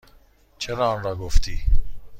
چرا آنرا گفتی؟